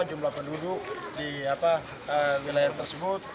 jumlah penduduk di wilayah tersebut